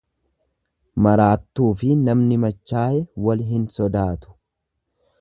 Maraattuufi namni machaaye wal hin sodaatu.